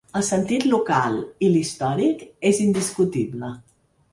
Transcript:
El sentit local i l’històric és indiscutible.